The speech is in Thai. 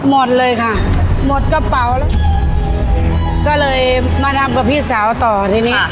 หมดเลยค่ะหมดกระเป๋าแล้วก็เลยมาทำกับพี่สาวต่อทีนี้